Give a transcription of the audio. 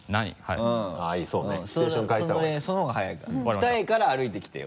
二重から歩いてきてよ。